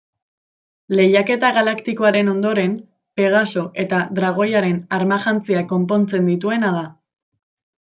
Lehiaketa Galaktikoaren ondoren Pegaso eta Dragoiaren armajantziak konpontzen dituena da.